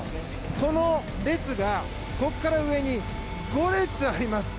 この列が、ここから上に５列あります。